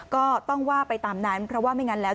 ก็ต้องว่าไปตามนั้นเพราะว่าไม่งั้นแล้ว